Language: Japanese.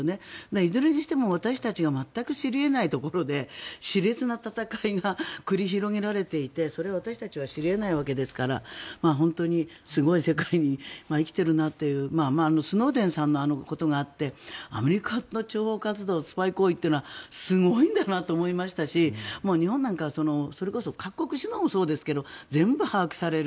いずれにしても私たちが全く知り得ないところで熾烈な戦いが繰り広げられていて、それを私たちは知り得ないわけですから本当にすごい世界に生きているなというスノーデンさんのことがあってアメリカの諜報活動、スパイ行為というのはすごいんだなと思いましたし日本なんかはそれこそ各国首脳もそうですが全部把握される。